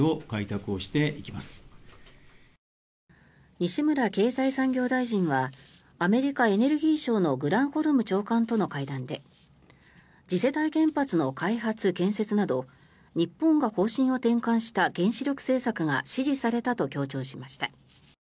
西村経済産業大臣はアメリカ・エネルギー省のグランホルム長官との会談で次世代原発の開発・建設など日本が方針を転換した原子力政策が支持されたと強調しました。